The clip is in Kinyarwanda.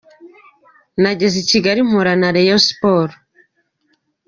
Nageze i Kigali mpura na Rayon Sports.